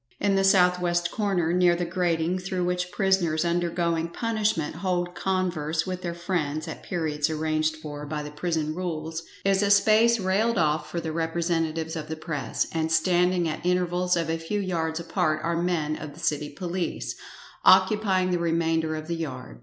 In the south west corner, near the grating through which prisoners undergoing punishment hold converse with their friends at periods arranged for by the prison rules, is a space railed off for the representatives of the press, and standing at invervals of a few yards apart are men of the City police, occupying the remainder of the yard.